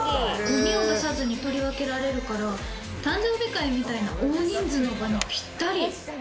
ごみを出さずに取り分けられるから、誕生日会みたいな大人数の場にぴったり。